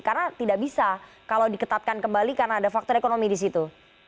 karena tidak bisa kalau diketatkan kembali karena ada faktor ekonomi di situ